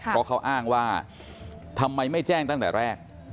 เพราะเขาอ้างว่าทำไมไม่แจ้งตั้งแต่แรก